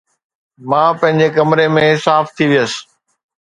مان پنهنجي ڪمري ۾ صاف ٿي ويس